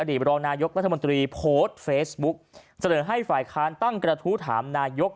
รองนายกรัฐมนตรีโพสต์เฟซบุ๊กเสนอให้ฝ่ายค้านตั้งกระทู้ถามนายก